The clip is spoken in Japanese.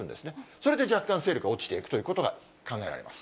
それで若干勢力が落ちていくということが考えられます。